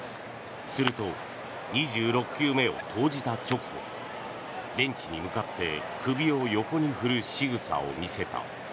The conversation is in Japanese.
すると、２６球目を投じた直後ベンチに向かって首を横に振るしぐさを見せた。